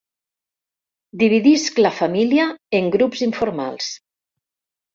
Dividisc la família en grups informals.